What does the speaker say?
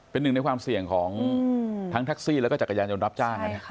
เป็นหนึ่งในความเสี่ยงของทั้งแท็กซี่แล้วก็จักรยานยนต์รับจ้าง